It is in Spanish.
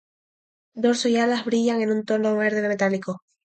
Dorso y alas brillan en un tono verde metálico.